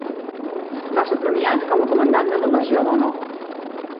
Va ser premiat com a comandant de la Legió d'Honor.